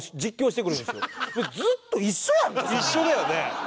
一緒だよね。